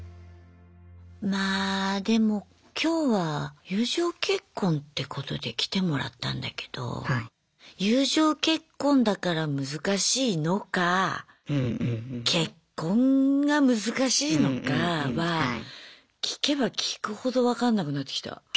まあでも今日は友情結婚ってことで来てもらったんだけど友情結婚だから難しいのか結婚が難しいのかは聞けば聞くほど分かんなくなってきた。